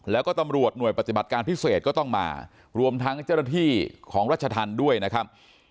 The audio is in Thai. แล้วก็ตำรวจหน่วยปฏิบัติการพิเศษก็ต้องมารวมทั้งเจ้าหน้าที่ของรัชธรรมด้วยนะครับ